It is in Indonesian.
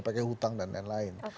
pakai hutang dan lain lain